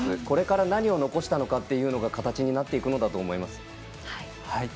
これから何を残したのかが形になっていくんだと思います。